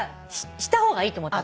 した方がいいと思ったの。